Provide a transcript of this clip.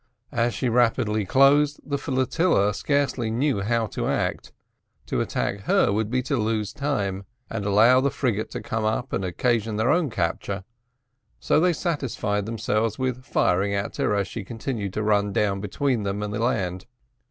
As she rapidly closed, the flotilla scarcely knew how to act; to attack her would be to lose time, and allow the frigate to come up and occasion their own capture; so they satisfied themselves with firing at her as she continued to run down between them and the land.